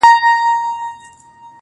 د برزخي ماحول واټن ته فکر وړی يمه